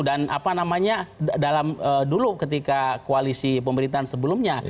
dan apa namanya dalam dulu ketika koalisi pemerintahan sebelumnya